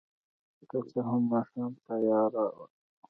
که څه هم ماښام تیاره وه.